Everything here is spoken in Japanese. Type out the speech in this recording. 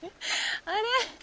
あれ？